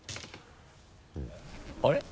あれ？